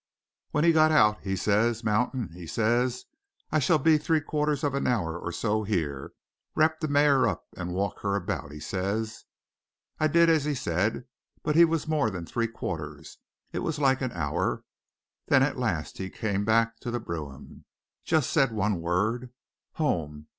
When he got out he says, 'Mountain,' he says, 'I shall be three quarters of an hour or so here wrap the mare up and walk her about,' he says. I did as he said, but he was more than three quarters it was like an hour. Then at last he came back to the brougham, just said one word, 'Home!'